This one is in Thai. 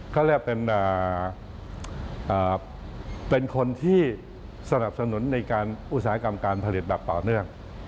เขาเรียกเป็นคนที่สนับสนุนในการอุตสาหกรรมการผลิตแบบต่อเนื่อง